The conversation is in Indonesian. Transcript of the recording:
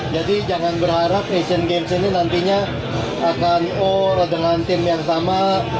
jadi jangan berharap sea games ini nantinya akan all dengan tim yang sama